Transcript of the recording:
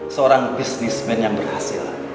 seorang bisnismen yang berhasil